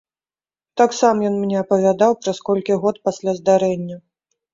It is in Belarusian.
Так сам ён мне апавядаў праз колькі год пасля здарэння.